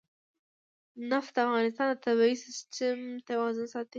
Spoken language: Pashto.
نفت د افغانستان د طبعي سیسټم توازن ساتي.